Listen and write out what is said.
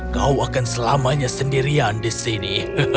kau akan selamanya sendirian di sini